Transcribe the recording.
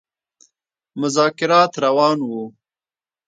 مذاکرات روان وه.